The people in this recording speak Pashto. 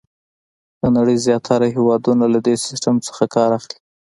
د نړۍ زیاتره هېوادونه له دې سیسټم څخه کار اخلي.